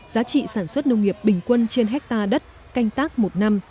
giá trị sản xuất nông nghiệp bình quân trên hectare đất canh tác một năm